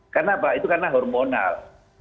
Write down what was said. karena apa itu karena hormonal